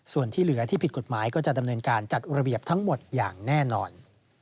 ส่วนที่เหลือที่ผิดกฎหมายก็จะดำเนินการจัดระเบียบทั้งหมดอย่างแน่นอน